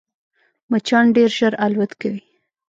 مچان ډېر ژر الوت کوي